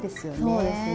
そうですね。